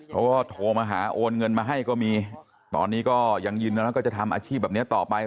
เขาก็โทรมาหาโอนเงินมาให้ก็มีตอนนี้ก็ยังยินนะก็จะทำอาชีพแบบนี้ต่อไป